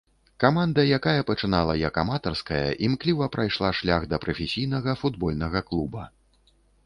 Каманда, якая пачынала як аматарская, імкліва прайшла шлях да прафесійнага футбольнага клуба.